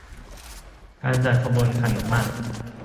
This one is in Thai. การจัดขบวนขันหมาก